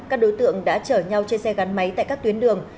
các đối tượng đã chở nhau trên xe gắn máy tại các tuyến đường